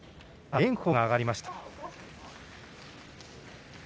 炎鵬が上がりました。